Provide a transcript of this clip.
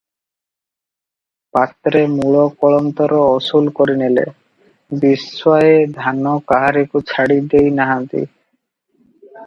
ପାତ୍ରେ ମୂଳ କଳନ୍ତର ଅସୁଲ କରିନେଲେ, ବିଶ୍ୱାଏ ଧାନ କାହାରିକୁ ଛାଡ଼ି ଦେଇନାହାନ୍ତି ।